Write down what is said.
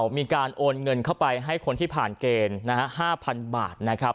มีการโอนเงินเข้าไปให้คนที่ผ่านเกณฑ์๕๐๐๐บาทนะครับ